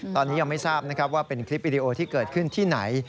ตอนนี้ยังไม่ทราบนะครับว่าเป็นคลิปวิดีโอที่เกิดขึ้นที่ไหน